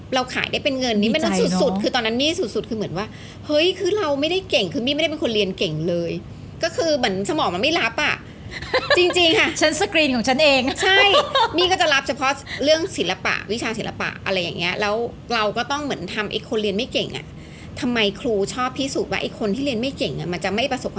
เราขายได้เป็นเงินนี้มันสุดคือตอนนั้นมี่สุดคือเหมือนว่าเฮ้ยคือเราไม่ได้เก่งคือมี่ไม่ได้เป็นคนเรียนเก่งเลยก็คือเหมือนสมองมันไม่รับจริงค่ะมี่ก็จะรับเฉพาะเรื่องศิลปะวิชาศิลปะอะไรอย่างนี้แล้วเราก็ต้องเหมือนทำคนเรียนไม่เก่งทำไมครูชอบพิสูจน์ว่าคนที่เรียนไม่เก่งมันจะไม่ประสบค